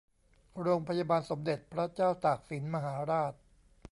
โรงพยาบาลสมเด็จพระเจ้าตากสินมหาราช